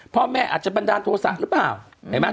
พ่อแม่อาจจบันดาลโทษธรรมละรึเปล่า